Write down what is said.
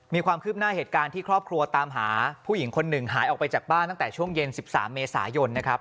มีความคืบหน้าเหตุการณ์ที่ครอบครัวตามหาผู้หญิงคนหนึ่งหายออกไปจากบ้านตั้งแต่ช่วงเย็น๑๓เมษายนนะครับ